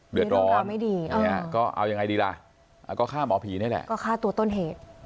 เดือดร้อนมีเรื่องราวไม่ดีก็เอายังไงดีล่ะก็ฆ่าหมอผีนี่แหละก็ฆ่าตัวต้นเหตุ